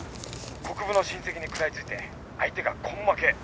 国府の親戚に食らいついて相手が根負け。